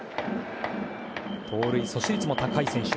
盗塁阻止率も高い選手。